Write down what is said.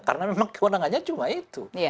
karena memang kewenangannya cuma itu